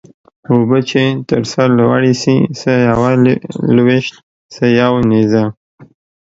اوبه چې تر سر لوړي سي څه يوه لويشت څه يو نيزه.